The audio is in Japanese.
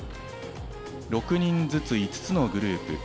６人ずつ、５つのグループ。